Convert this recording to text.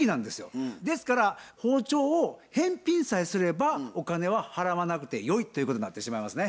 ですから包丁を返品さえすればお金は払わなくてよいということになってしまいますね。